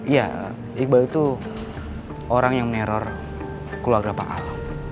ya iqbal itu orang yang meneror keluarga pak al